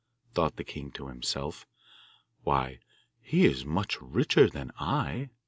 thought the king to himself. 'Why, he is much richer than I!